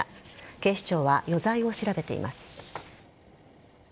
警視庁は余罪を調べています。